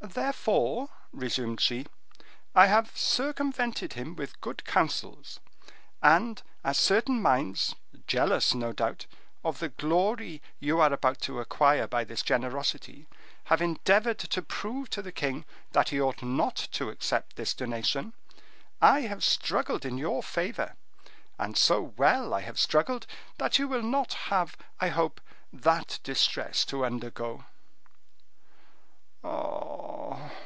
"Therefore," resumed she, "I have circumvented him with good counsels; and as certain minds, jealous, no doubt, of the glory you are about to acquire by this generosity, have endeavored to prove to the king that he ought not to accept this donation, I have struggled in your favor, and so well I have struggled, that you will not have, I hope, that distress to undergo." "Ah!"